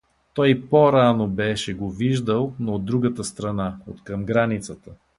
Той и по-рано беше го виждал, но от другата страна, откъм границата.